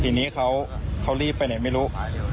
ทีนี้เขารีบไปไหนไม่รู้